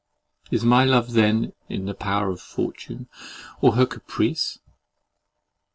Is my love then in the power of fortune, or of her caprice?